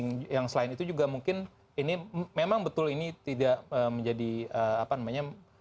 dan yang terpenting yang selain itu juga mungkin ini memang betul ini tidak menjadi apa namanya